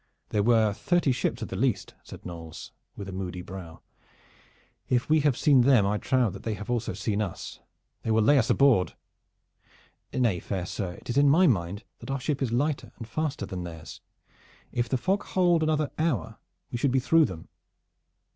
"There were thirty ships at the least," said Knolles, with a moody brow. "If we have seen them I trow that they have also seen us. They will lay us aboard." "Nay, fair sir, it is in my mind that our ship is lighter and faster than theirs. If the fog hold another hour we should be through them."